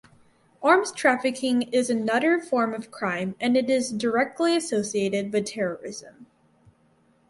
Arms trafficking is another form of crime and it is directly associated with terrorism.